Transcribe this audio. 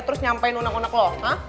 terus nyampein unek unek lo